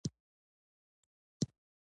رښتیني بدلونونه پر لاره و.